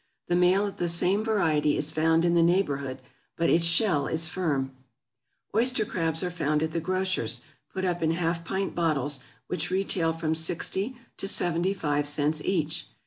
The male of the same variety is found in the neighborhood, but its shell is firm. Oyster crabs are found at the grocer's, put up in half pint bottles, which retail from 60 to 75 cents each.